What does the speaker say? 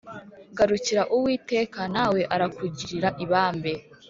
Garukira uwiteka nawe arakugirira ibambe